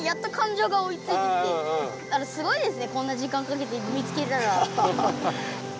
すごいですねこんな時間かけて見つけたら。